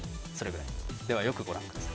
ではよくご覧ください。